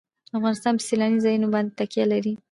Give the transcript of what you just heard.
افغانستان په سیلانی ځایونه باندې تکیه لري.